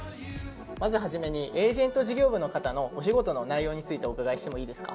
まず初めにエージェント事業部の方のお仕事の内容についてお伺いしてもいいですか？